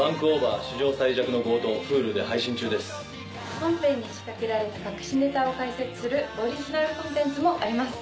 本編に仕掛けられた隠しネタを解説するオリジナルコンテンツもあります。